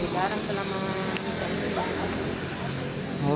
jarang setelah menikah